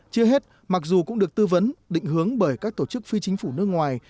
chưa hết mặc dù cũng được tư vấn định hướng bởi các tổ chức phi chính phủ nước ngoài